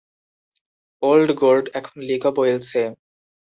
Old Gold এখন League of ওয়েলসে।